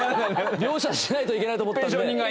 描写しないといけないと思ったので。